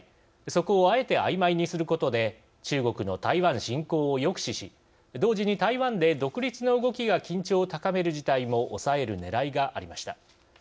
そこをあえてあいまいにすることで中国の台湾侵攻を抑止し同時に台湾で独立の動きが緊張を高める事態も抑えるねらいがありました。